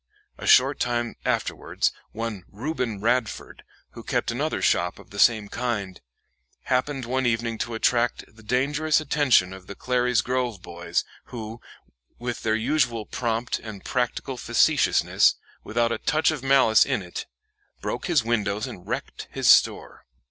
A short time afterwards, one Reuben Radford, who kept another shop of the same kind, happened one evening to attract the dangerous attention of the Clary's Grove boys, who, with their usual prompt and practical facetiousness, without a touch of malice in it, broke his windows and wrecked his store.